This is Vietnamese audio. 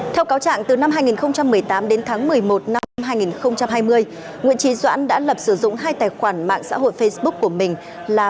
theo cáo trạng từ năm hai nghìn một mươi tám đến tháng một mươi một năm hai nghìn hai mươi nguyễn trí doãn đã lập sử dụng hai tài khoản mạng xã hội facebook của mình là